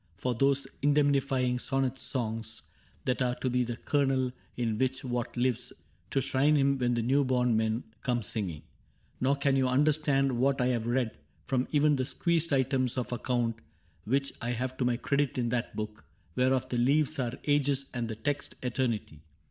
For those indemnifying sonnet songs That are to be the kernel in what lives To shrine him when the new born men come singing. " Nor can you understand what I have read From even the squeezed items of account Which I have to my credit in that book Whereof the leaves are ages and the text Eternity.